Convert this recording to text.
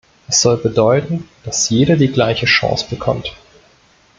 Es soll bedeuten, dass jeder die gleiche Chance bekommt.